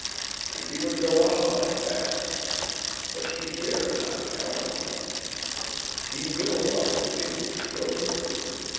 And he would go on like that. But she dared not challenge him. He knew about the day with Schroder.